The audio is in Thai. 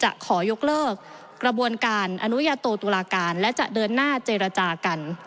จะขอยกเลิกกระบวนการอนุญาโตตุลาการและจะเดินหน้าเจรจากัน